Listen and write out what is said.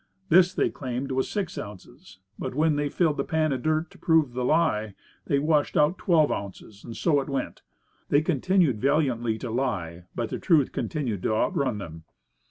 This they claimed was six ounces; but when they filled a pan of dirt to prove the lie, they washed out twelve ounces. And so it went. They continued valiantly to lie, but the truth continued to outrun them.